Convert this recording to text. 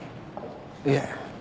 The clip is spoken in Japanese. いえ。